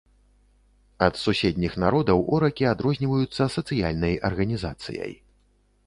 Ад суседніх народаў оракі адрозніваюцца сацыяльнай арганізацыяй.